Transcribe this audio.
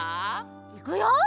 いくよ。